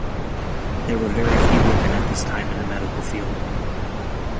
There were very few women at this time in the medical field.